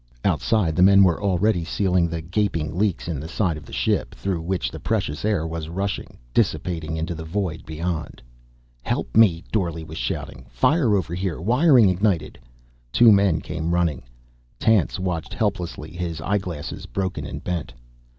Outside the men were already sealing the gaping leaks in the side of the ship, through which the precious air was rushing, dissipating into the void beyond. "Help me!" Dorle was shouting. "Fire over here, wiring ignited." Two men came running. Tance watched helplessly, his eyeglasses broken and bent.